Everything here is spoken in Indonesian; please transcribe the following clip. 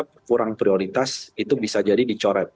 yang dianggap kurang prioritas itu bisa jadi dicoret